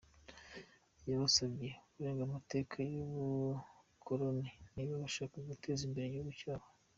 Yabasabye kurenga amateka y’ubukoloni niba bashaka guteza imbere ibihugu byabo.